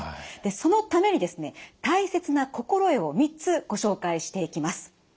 そのためにですね大切な心得を３つご紹介していきます。